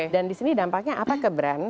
dan di sini dampaknya apa ke brand